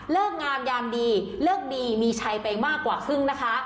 งามยามดีเลิกดีมีชัยไปมากกว่าครึ่งนะคะ